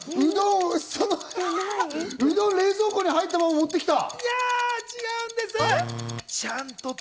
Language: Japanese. うどんが冷蔵庫に入ったまま持ってきた？